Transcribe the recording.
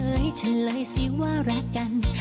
เฉยเฉยเลยสิว่ารักกัน